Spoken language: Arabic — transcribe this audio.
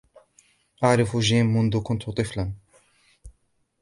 أعرف جيم منذ كنت طفلاً.